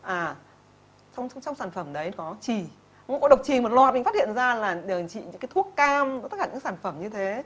à trong sản phẩm đấy có trì cũng có độc trì một loạt mình phát hiện ra là đều trị những cái thuốc cam tất cả những sản phẩm như thế